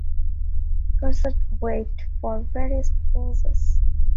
Cars are weighed for various purposes.